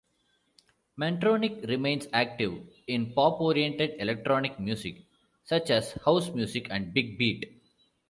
Mantronik remains active in pop-oriented electronic music, such as house music and big beat.